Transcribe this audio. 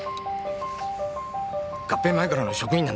合併前からの職員なんだよ。